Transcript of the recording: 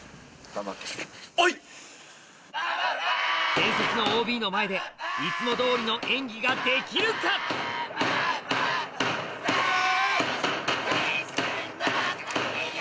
・伝説の ＯＢ の前でいつも通りの演技ができるか？あい！